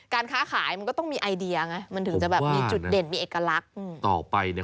การค้าขายมันก็ต้องมีไอเดียไงมันถึงจะแบบมีจุดเด่นมีเอกลักษณ์ต่อไปเนี่ย